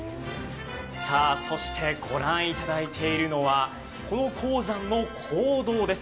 そしてご覧いただいているのはこの鉱山の坑道です。